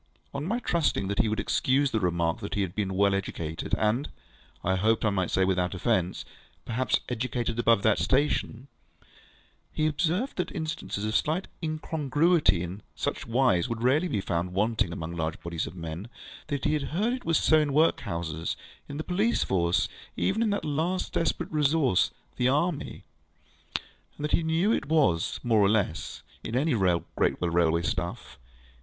On my trusting that he would excuse the remark that he had been well educated, and (I hoped I might say without offence) perhaps educated above that station, he observed that instances of slight incongruity in such wise would rarely be found wanting among large bodies of men; that he had heard it was so in workhouses, in the police force, even in that last desperate resource, the army; and that he knew it was so, more or less, in any great railway staff.